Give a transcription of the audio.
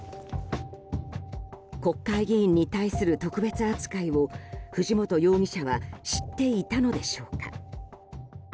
国会議員に対する特別扱いを藤本容疑者は知っていたのでしょうか。